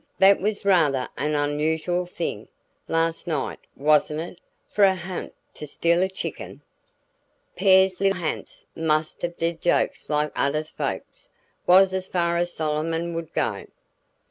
"That was rather an unusual thing, last night, wasn't it, for a ha'nt to steal a chicken?" "'Pears like ha'nts must have dere jokes like odder folkses," was as far as Solomon would go.